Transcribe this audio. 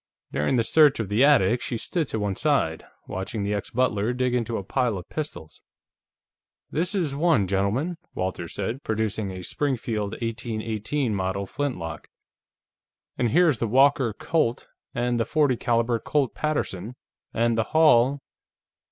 During the search of the attic, she stood to one side, watching the ex butler dig into a pile of pistols. "This is one, gentlemen," Walters said, producing a Springfield 1818 Model flintlock. "And here is the Walker Colt, and the .40 caliber Colt Paterson, and the Hall...."